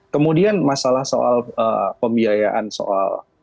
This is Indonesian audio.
kemudian masalah soal pembiayaan soal